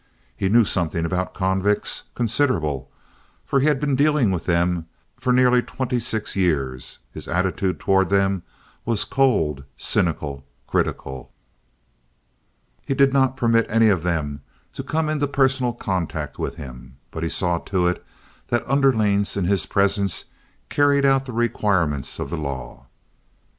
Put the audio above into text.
He knew something about convicts—considerable—for he had been dealing with them for nearly twenty six years. His attitude toward them was cold, cynical, critical. He did not permit any of them to come into personal contact with him, but he saw to it that underlings in his presence carried out the requirements of the law.